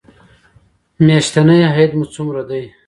میاشتنی عاید مو څومره دی؟